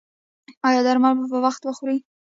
ایا درمل به په وخت خورئ؟